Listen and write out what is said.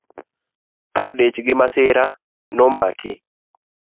Thoo dich gi masira momaki